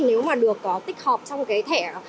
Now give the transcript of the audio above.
nếu mà được có tích hợp trong cái thẻ